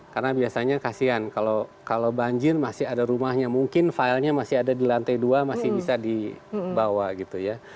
karena biasanya kasihan kalau banjir masih ada rumahnya mungkin filenya masih ada di lantai dua masih bisa dibawa gitu ya